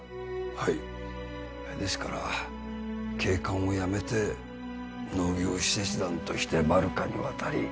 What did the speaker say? はいですから警官を辞めて農業使節団としてバルカに渡り